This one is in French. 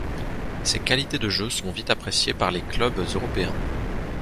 Ses qualités de jeu sont vite appréciées par les clubs européens.